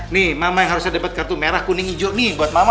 nih mama yang harusnya dapat kartu merah kuning hijau nih buat mama